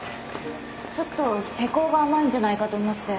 ちょっと施工が甘いんじゃないかと思って。